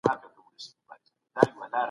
پولیس باید د پوښتنو پرمهال له شکنجې ډډه وکړي.